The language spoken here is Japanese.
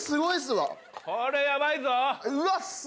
これヤバいぞ。